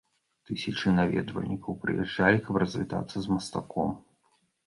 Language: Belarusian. Тысячы наведвальнікаў прыязджалі, каб развітацца з мастаком.